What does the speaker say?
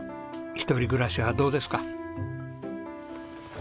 一人暮らしはどうですか？